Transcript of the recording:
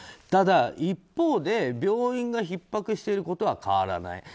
ただ、一方で病院がひっ迫していることは変わらない。